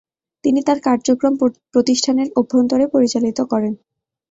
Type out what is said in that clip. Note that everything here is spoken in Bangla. তিনি তার কার্যক্রম প্রতিষ্ঠানের অভ্যন্তরে পরিচালিত করেন।